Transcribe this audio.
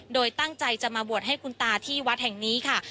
โดยตั้งใจจะมาบวชให้คุณตาที่วัดแห่งนี้ค่ะ